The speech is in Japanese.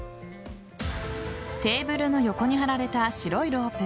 テーブルの横に張られた白いロープ。